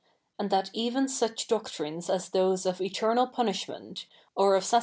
id that even such doctrines as those of eternal punishment, or of sace?'